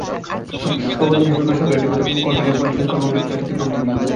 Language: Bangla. শুষ্ক বন্দর হিসেবে পরিচিত বেসরকারি ডিপোতে কনটেইনার পরিচালন কর্মকাণ্ডে চলছে তীব্র প্রতিযোগিতা।